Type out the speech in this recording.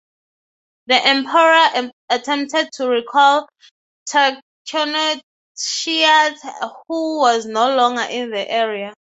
The Emperor attempted to recall Tarchaneiotes, who was no longer in the area.